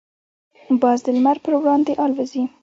باز د لمر پر وړاندې الوزي.